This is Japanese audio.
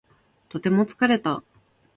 とても疲れた